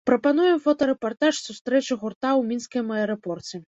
Прапануем фотарэпартаж сустрэчы гурта ў мінскім аэрапорце.